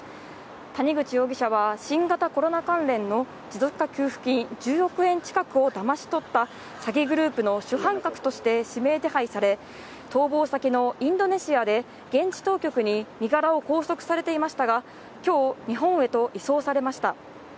谷口容疑者は新型コロナ関連の持続化給付金１０億円近くをだまし取った詐欺グループの主犯格として指名手配され、逃亡先のインドネシアで現地当局に身柄を拘束されていましたが、今日、日本へと移送されました。